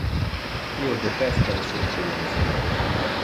Io detesta le surprisas.